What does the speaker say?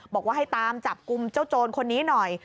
บอกว่าให้ตามจับกลุ่มเจ้าโจรคนนี้หน่อย